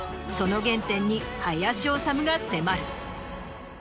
その原点に林修が迫る。